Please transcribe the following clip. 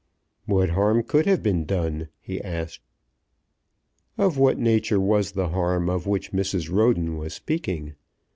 "What harm could have been done?" he asked. Of what nature was the harm of which Mrs. Roden was speaking?